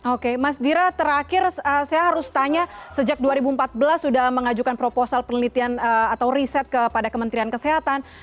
oke mas dira terakhir saya harus tanya sejak dua ribu empat belas sudah mengajukan proposal penelitian atau riset kepada kementerian kesehatan